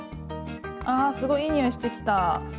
ああすごいいい匂いしてきた！